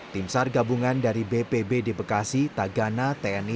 tim sar gabungan dari bpb di bekasi tagana tni